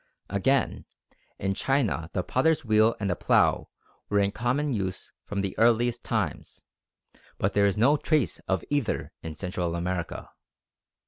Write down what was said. Again, in China the potter's wheel and the plough were in common use from the earliest times, but there is no trace of either in Central America.